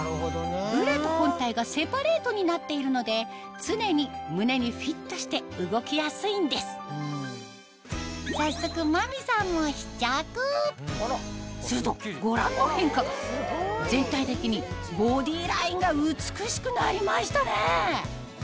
ブラと本体がセパレートになっているので常に胸にフィットして動きやすいんです早速真美さんも試着するとご覧の変化が全体的にボディーラインが美しくなりましたね！